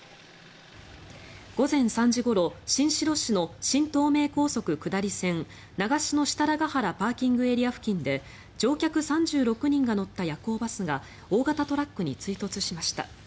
午前３時ごろ新城市の新東名高速下り線長篠設楽原ＰＡ付近で乗客３６人が乗った夜行バスが大型トラックに追突しました。